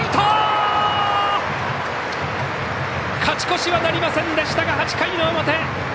勝ち越しはなりませんでしたが８回の表。